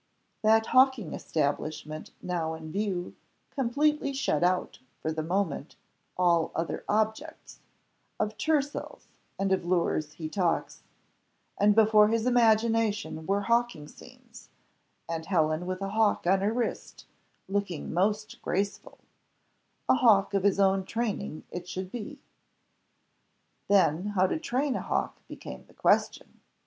That hawking establishment now in view, completely shut out, for the moment, all other objects; "of tercels and of lures he talks;" and before his imagination were hawking scenes, and Helen with a hawk on her wrist, looking most graceful a hawk of his own training it should be. Then, how to train a hawk became the question.